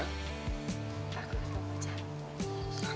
aku udah mau pacaran